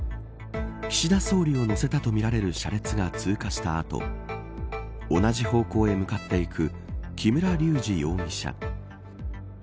岸田総理を乗せたとみられる車列が通過した後同じ方向へ向かっていく木村隆二容疑者。